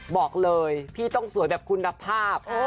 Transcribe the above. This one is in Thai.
บอกเลยพี่ต้องสวยแบบคุณภาพ